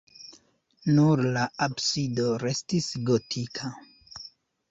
Nur la absido restis gotika.